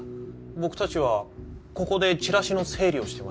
僕達はここでチラシの整理をしてました